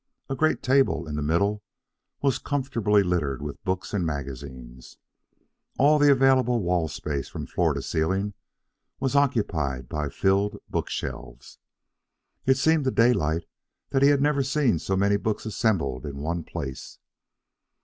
A great table in the middle was comfortably littered with books and magazines. All the available wall space, from floor to ceiling, was occupied by filled bookshelves. It seemed to Daylight that he had never seen so many books assembled in one place.